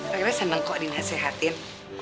rere seneng kok dinasehatin